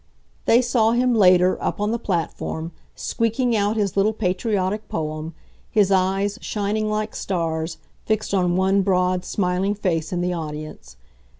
They saw him later, up on the platform, squeaking out his little patriotic poem, his eyes, shining like stars, fixed on one broad, smiling face in the audience.